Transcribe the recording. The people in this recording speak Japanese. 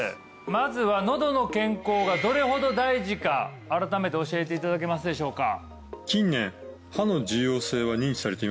まずはのどの健康がどれほど大事か改めて教えていただけますでしょうか？